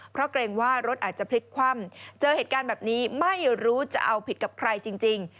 เพราะเกรงว่ารถอาจจะพลิกคว่ำเจอเหตุการณ์แบบนี้ไม่รู้จะเอาผิดกับใครจริง